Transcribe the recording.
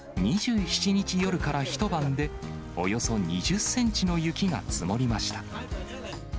２７日夜から一晩でおよそ２０センチの雪が積もりました。